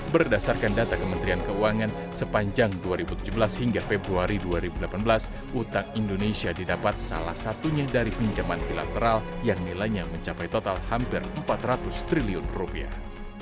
berdasarkan data kementerian keuangan sepanjang dua ribu tujuh belas hingga februari dua ribu delapan belas utang indonesia didapat salah satunya dari pinjaman bilateral yang nilainya mencapai total hampir empat ratus triliun rupiah